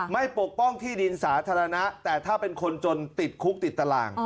ปกป้องที่ดินสาธารณะแต่ถ้าเป็นคนจนติดคุกติดตาราง